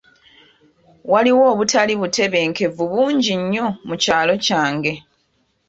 Waliwo obutali butebenkevu bungi nnyo mu kyalo kyange .